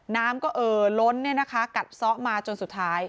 น้ำก็เอ่อล้นเนี่ยนะคะกัดซ้อมาจนสุดท้าย